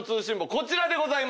こちらでございます。